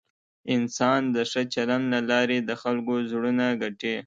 انسان د ښه چلند له لارې د خلکو زړونه ګټي.